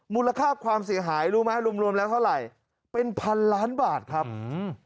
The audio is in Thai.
มูลค่าความเสียหายรู้ไหมรวมรวมแล้วเท่าไหร่เป็นพันล้านบาทครับอืม